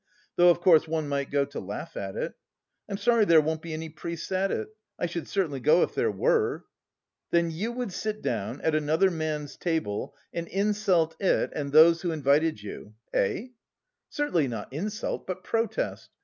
Though, of course, one might go to laugh at it.... I am sorry there won't be any priests at it. I should certainly go if there were." "Then you would sit down at another man's table and insult it and those who invited you. Eh?" "Certainly not insult, but protest.